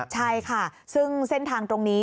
ใช่ค่ะซึ่งเส้นทางตรงนี้